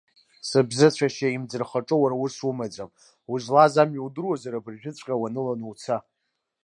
Сыбзыцәашьа имӡырхаҿы уара ус умам, узлааз амҩа удыруазар, абыржәыҵәҟьа уаныланы уца!